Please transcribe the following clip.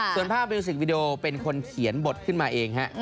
ส่วนภาพมิวสิกวิดีโอเป็นคนเขียนบทขึ้นมาเองฮะ